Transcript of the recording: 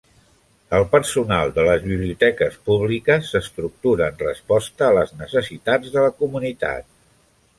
El personal de les biblioteques públiques s'estructura en resposta a les necessitats de la comunitat.